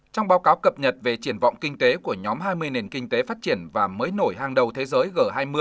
trong báo cáo cập nhật về triển vọng kinh tế của nhóm hai mươi nền kinh tế phát triển và mới nổi hàng đầu thế giới g hai mươi